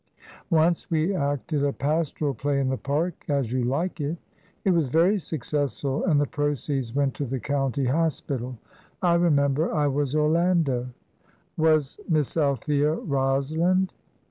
"Once we acted a pastoral play in the park As You Like It. It was very successful, and the proceeds went to the county hospital. I remember I was Orlando." "Was Miss Althea Rosalind?"